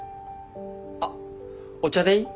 あっお茶でいい？